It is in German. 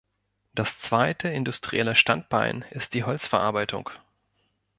Das zweite industrielle Standbein ist die Holzverarbeitung.